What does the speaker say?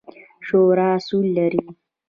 شورا اصول لري